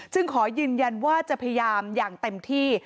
ขอยืนยันว่าจะพยายามอย่างเต็มที่